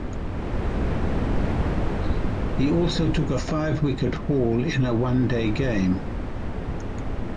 He also took a five wicket haul in a one day game.